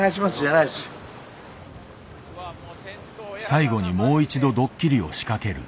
最後にもう一度ドッキリを仕掛ける。